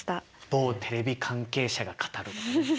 某テレビ関係者が語るとかね。